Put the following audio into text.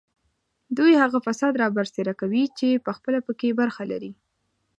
دوی هغه فساد رابرسېره کوي چې پخپله په کې برخه لري